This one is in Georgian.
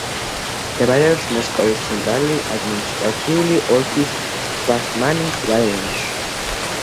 მდებარეობს მოსკოვის ცენტრალური ადმინისტრაციული ოლქის ბასმანის რაიონში.